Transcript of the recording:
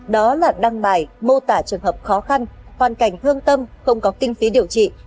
đó là đăng bài mô tả trường hợp khó khăn hoàn cảnh hương tâm không có kinh phí điều trị